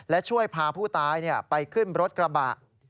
และช่วยพาผู้ตายไปขึ้นรถกระบะ